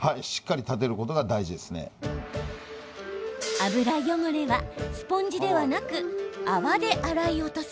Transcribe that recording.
油汚れは、スポンジではなく泡で洗い落とす。